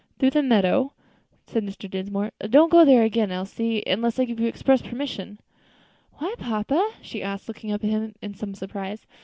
"Through the meadow?" said Mr. Dinsmore; "don't you go there again, Elsie, unless I give you express permission." "Why, papa?" she asked, looking up at him in some surprise.